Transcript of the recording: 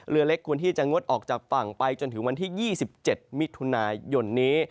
เรือเล็กควรที่จะงดออกจากฝั่งไปจนถึงวันที่๒๗มิถุนายนนี้